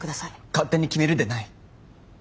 勝手に決めるでない。